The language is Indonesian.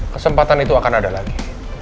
kesempatan itu akan ada lagi